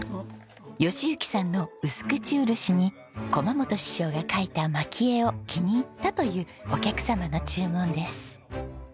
喜行さんのうすくちうるしに駒本師匠が描いた蒔絵を気に入ったというお客様の注文です。